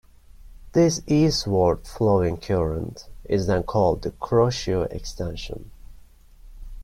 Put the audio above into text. This eastward flowing current is then called the Kuroshio Extension.